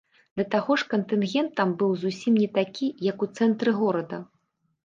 Да таго ж кантынгент там быў зусім не такі, як у цэнтры горада.